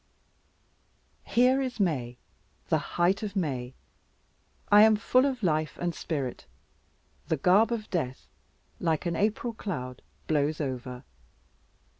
Here is May, the height of May: I am full of life and spirit: the garb of death, like an April cloud, blows over.